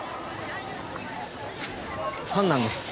ファンなんです。